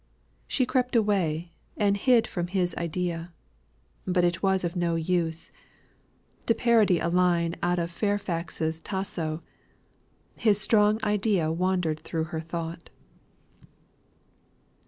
She crept away, and hid from his idea. But it was of no use. To parody a line out of Fairfax's Tasso "His strong idea wandered through her thought."